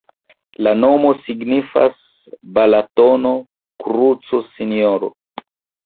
La nomo signifas: Balatono-kruco-Sinjoro.